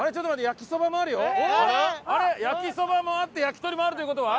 焼きそばもあって焼き鳥もあるという事は。